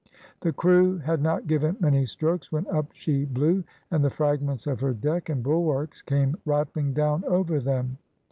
The crew had not given many strokes when up she blew, and the fragments of her deck and bulwarks came rattling down over them.